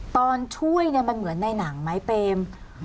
ตอนช่วยเนี่ยมันเหมือนในหนังไหมเปม